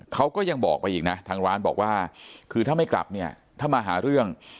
เขาก็ยังบอกไปอีกนะทางร้านบอกว่าคือถ้าไม่กลับเนี่ยถ้ามาหาเรื่อง